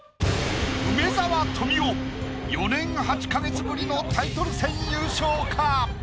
梅沢富美男４年８か月ぶりのタイトル戦優勝か？